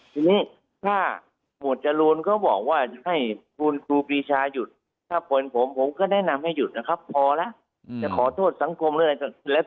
ทีนี้ถ้าหมวดจรวนก็บอกว่าให้คุณครูปีชายุทธ์ถ้าเป็นผมผมก็แนะนำให้หยุดนะครับพอละ